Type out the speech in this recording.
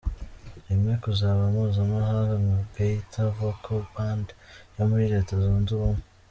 rimwe kuzaba mpuzamahanga nka Gaither Vocal Band yo muri leta zunze ubumwe